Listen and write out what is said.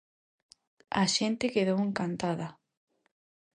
A xente quedou encantada.